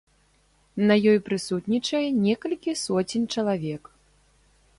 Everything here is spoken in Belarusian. На ёй прысутнічае некалькі соцень чалавек.